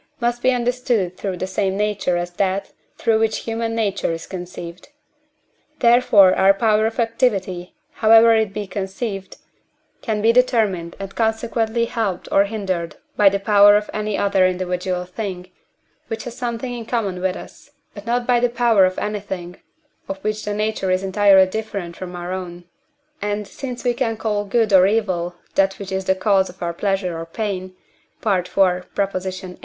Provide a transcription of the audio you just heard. must be understood through the same nature as that, through which human nature is conceived. Therefore our power of activity, however it be conceived, can be determined and consequently helped or hindered by the power of any other individual thing, which has something in common with us, but not by the power of anything, of which the nature is entirely different from our own; and since we call good or evil that which is the cause of pleasure or pain (IV. viii.)